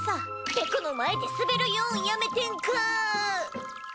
ぺこの前で「スベる」言うんやめてんか！